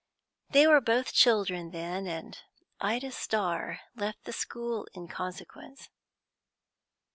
They were both children then, and Ida Starr left the school in consequence."